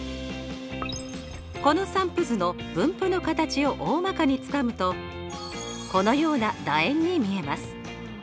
この散布図の分布の形をおおまかにつかむとこのような楕円に見えます。